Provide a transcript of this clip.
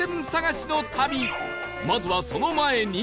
まずはその前に